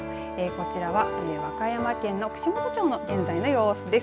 こちらは和歌山県の串本町の現在の様子です。